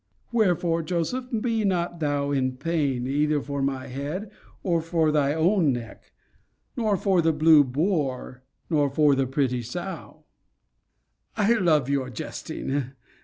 Wherefore, Joseph, be not thou in pain, either for my head, or for thy own neck; nor for the Blue Boar; nor for the pretty Sow. I love your jesting.